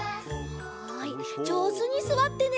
はいじょうずにすわってね！